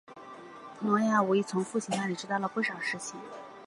挪亚无疑从父亲那里知道不少事情。